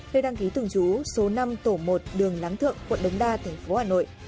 được đăng ký tưởng chú số năm tổ một đường láng thượng quận đấng đa tp hà nội